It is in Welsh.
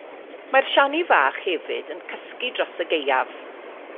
Mae'r siani fach hefyd yn cysgu dros y gaeaf.